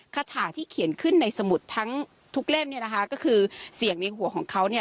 คาถาที่เขียนขึ้นในสมุดทั้งทุกเล่มเนี่ยนะคะก็คือเสียงในหัวของเขาเนี่ย